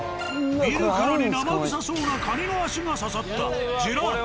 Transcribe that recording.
見るからに生臭そうな蟹の脚がささったジェラート